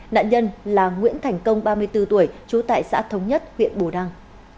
nạn nhân là nguyễn thành công ba mươi bốn tuổi trú tại xã thống nhất huyện bù đăng